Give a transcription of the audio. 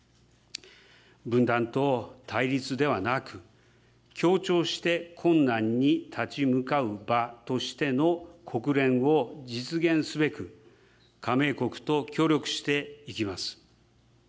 分断と対立ではなく、協調して困難に立ち向かう場としての国連を実現すべく、加盟国と協力していきます。